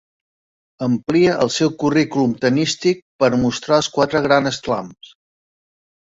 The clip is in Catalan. Amplia el seu currículum tennístic per mostrar els quatre Grand Slams.